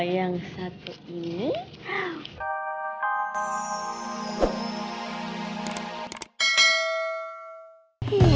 daripada kamu sedih